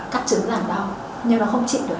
cắt chứng làm đau nhưng nó không chịu được